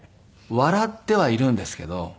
笑ってはいるんですけど。